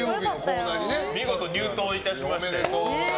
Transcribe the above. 見事、入党いたしまして。